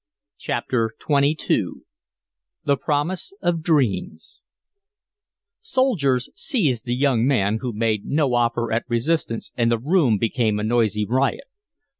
CHAPTER XXII THE PROMISE OF DREAMS Soldiers seized the young man, who made no offer at resistance, and the room became a noisy riot.